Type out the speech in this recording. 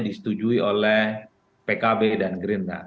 disetujui oleh pkb dan gerindra